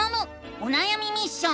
おなやみミッション！